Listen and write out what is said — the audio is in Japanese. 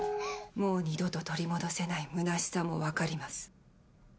もう二度と取り戻せないむなしさも分かります。